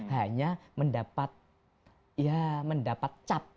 hanya mendapat cap